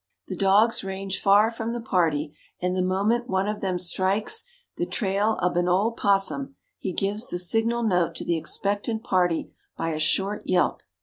"The dogs range far from the party, and the moment one of them strikes the "trail ob an ole 'possum" he gives the signal note to the expectant party by a short yelp.